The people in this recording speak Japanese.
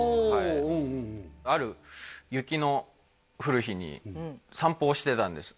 あうんうんうんある雪の降る日に散歩をしてたんです